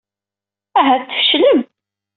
Ahat tfeclem.